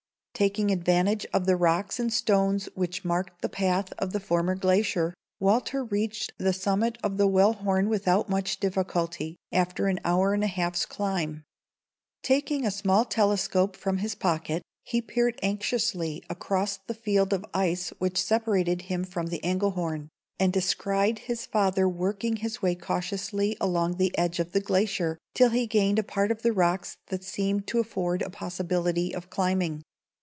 Taking advantage of the rocks and stones which marked the path of a former glacier, Walter reached the summit of the Wellhorn without much difficulty, after an hour and a half's climb. Taking a small telescope from his pocket, he peered anxiously across the field of ice which separated him from the Engelhorn, and descried his father working his way cautiously along the edge of the glacier till he gained a part of the rocks that seemed to afford a possibility of climbing.